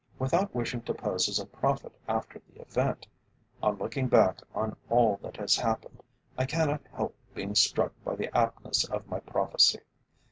Without wishing to pose as a prophet after the event, on looking back on all that has happened, I cannot help being struck by the aptness of my prophecy.